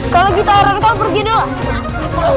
kalau kita iron call pergi dulu